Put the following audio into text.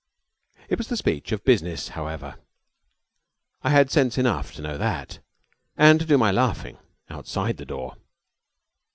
It was the speech of business, however. I had sense enough to know that, and to do my laughing outside the door.